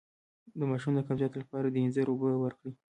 د ماشوم د قبضیت لپاره د انځر اوبه ورکړئ